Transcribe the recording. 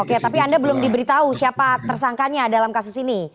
oke tapi anda belum diberitahu siapa tersangkanya dalam kasus ini